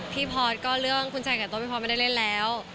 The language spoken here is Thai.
พอร์ตก็เรื่องคุณชัยกับตัวพี่พอร์ตไม่ได้เล่นแล้ว